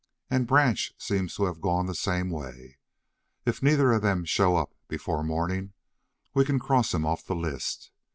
And Branch seems to have gone the same way. If neither of them show up before morning we can cross 'em off the list.